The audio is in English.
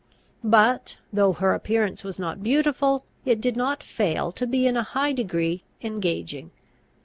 But, though her appearance was not beautiful, it did not fail to be in a high degree engaging.